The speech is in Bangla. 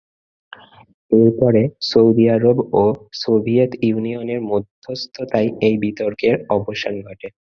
এরপরে, সৌদি আরব ও সোভিয়েত ইউনিয়নের মধ্যস্থতায় এই বিতর্কের অবসান ঘটে।